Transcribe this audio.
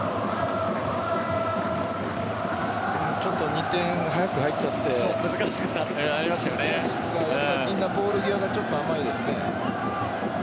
２点、早く入っちゃってみんな、ボール際ちょっと甘いですね。